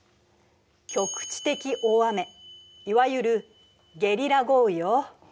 局地的大雨いわゆるゲリラ豪雨よ。